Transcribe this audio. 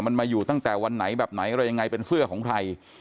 มันมาอยู่ตั้งแต่วันไหนแบบไหนอะไรยังไงเป็นเสื้อของใคร